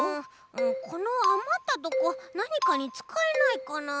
このあまったとこなにかにつかえないかな？